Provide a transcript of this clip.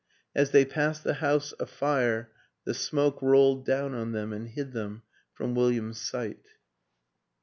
As they passed the house afire the smoke rolled down on them and hid them from William's sight.